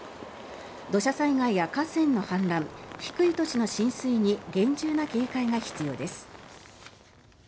土砂災害や河川の氾濫低い土地の浸水に厳重な警戒が必要です。